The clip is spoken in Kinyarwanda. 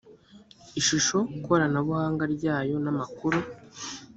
ishusho koranabuhanga ryayo n amakuru